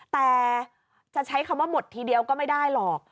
แต่จะใช้คำว่าหมดทีเดียวก็ไม่ได้หรอก